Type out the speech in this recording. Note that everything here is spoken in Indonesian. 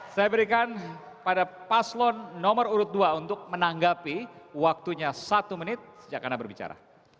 saya berikan pada paslon nomor urut dua untuk menanggapi waktunya satu menit sejak anda berbicara